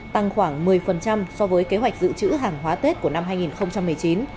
tăng khoảng một mươi so với kế hoạch dự trữ hàng hóa tết của năm hai nghìn một mươi chín